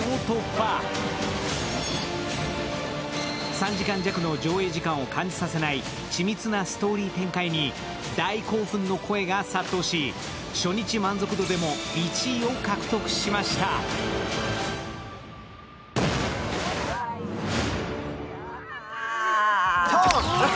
３時間弱の上映時間を感知させない緻密なストーリー展開に大興奮の声が殺到し、初日満足度でも１位を獲得しましたトーム！！